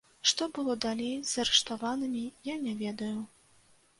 Што было далей з арыштаванымі, я не ведаю.